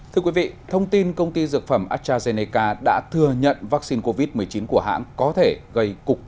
thưa quý vị thông tin công ty dược phẩm astrazeneca đã thừa nhận vaccine covid một mươi chín của hãng có thể gây cục máu